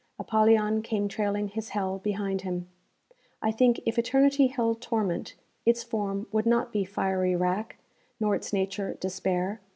Apollyon came trailing his hell behind him. I think if eternity held torment, its form would not be fiery rack, nor its nature despair.